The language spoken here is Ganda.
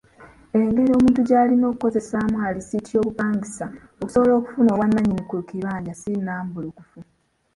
Engeri omuntu gy'alina okukozesaamu alisiiti z’obupangisa okusobola okufuna obwannannyini ku kibanja si nnambulukufu.